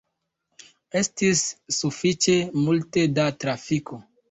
Estis sufiĉe multe da trafiko.